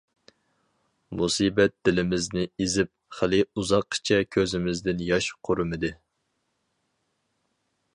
مۇسىبەت دىلىمىزنى ئېزىپ، خېلى ئۇزاققىچە كۆزىمىزدىن ياش قۇرۇمىدى.